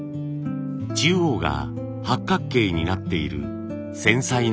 中央が八角形になっている繊細な網み